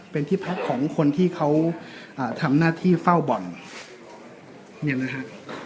เป็นที่พักของคนที่เขาทำหน้าที่เฝ้าบ่อนเนี่ยนะฮะ